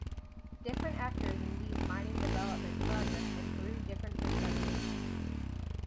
Different actors in these mining development projects in Peru different perspectives.